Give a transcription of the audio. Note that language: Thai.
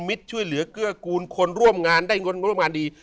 มิตรช่วยเหลือเกื้อกูลคนร่วมงานได้คนร่วมงานดี